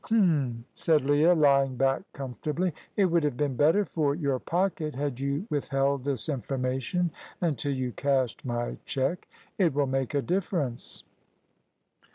"H'm!" said Leah, lying back comfortably; "it would have been better for your pocket had you withheld this information until you cashed my cheque. It will make a difference."